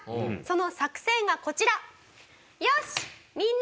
その作戦がこちら。